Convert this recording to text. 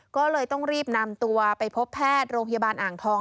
ก็เลยต้องรีบนำตัวไปพบแพทย์โรงพยาบาลอ่างทอง